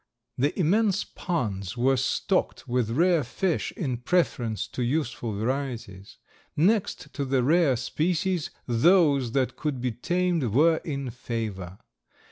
The immense ponds were stocked with rare fish in preference to useful varieties. Next to the rare species those that could be tamed were in favor.